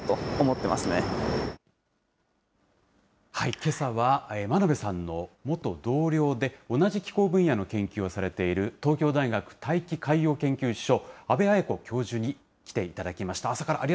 けさは、真鍋さんの元同僚で、同じ気候分野の研究をされている東京大学大気海洋研究所、阿部彩子教授に来ていただきました。